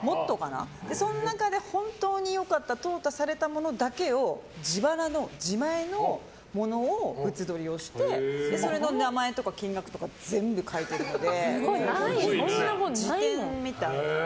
その中で本当に良かった淘汰されたものを、自前のものをブツ撮りをしてそれの名前とか金額とか全部書いてるので辞典みたい。